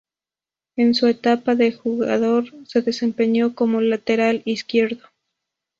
En su etapa de jugador, se desempeñó como lateral izquierdo.